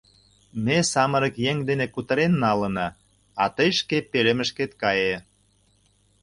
— Ме самырык еҥ дене кутырен налына, а тый шке пӧлемышкет кае.